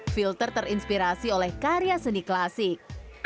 filter terinspirasi oleh karya seni klasik